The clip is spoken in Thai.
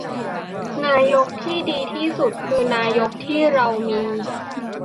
นายกที่ดีที่สุด คือนายกที่เรามี